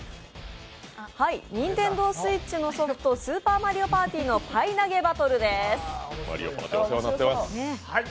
ＮｉｎｔｅｎｄｏＳｗｉｔｃｈのソフト、「スーパーマリオパーティー」のパイ投げバトルです。